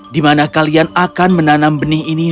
di mana kalian akan menanam benih ini